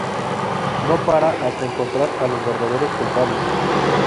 No parará hasta encontrar a los verdaderos culpables.